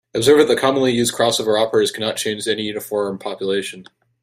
Observe that commonly used crossover operators cannot change any uniform population.